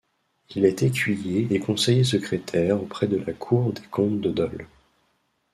Il est écuyer et conseiller secrétaire auprès de la Cour des Comptes de Dole.